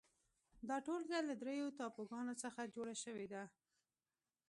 دا ټولګه له درېو ټاپوګانو څخه جوړه شوې ده.